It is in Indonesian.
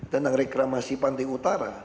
tentang reklamasi pantai utara